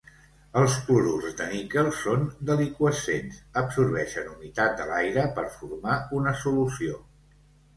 Els clorurs de níquel són deliqüescents, absorbeixen humitat de l'aire per formar una solució.